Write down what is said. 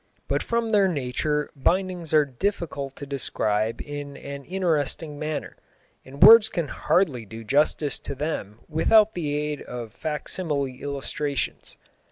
But from their nature bindings are difficult to describe in an interesting manner, and words can hardly do justice to them without the aid of facsimile illustrations.